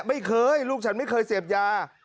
ไม่เคยลูกฉันไม่เคยเสพยา